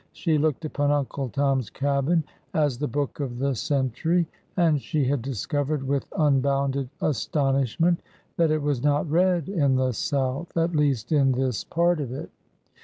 She looked upon Uncle Tom's Cabin " as the book of the century; and she had discovered with un bounded astonishment that it was not read in the South, —at least in this part of it.